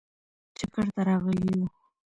چکر ته راغلي یو.